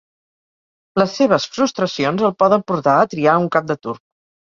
Les seves frustracions el poden portar a triar un cap de turc.